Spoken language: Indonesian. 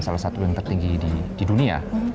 salah satu yang tertinggi di dunia